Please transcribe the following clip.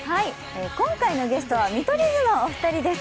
今回のゲストは、見取り図のお二人です。